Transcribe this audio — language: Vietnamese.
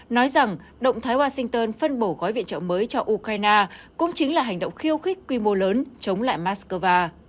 nói rằng động thái washington phân bổ gói viện trợ mới cho ukraine cũng chính là hành động khiêu khích quy mô lớn chống lại moscow